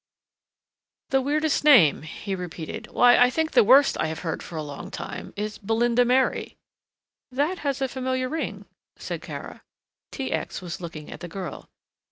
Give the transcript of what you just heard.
"The weirdest name?" he repeated, "why I think the worst I have heard for a long time is Belinda Mary." "That has a familiar ring," said Kara. T. X. was looking at the girl.